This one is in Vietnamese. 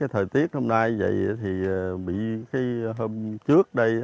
thời tiết hôm nay vậy thì bị cái hôm trước đây